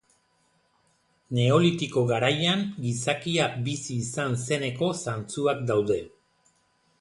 Neolitiko garaian gizakia bizi izan zeneko zantzuak daude.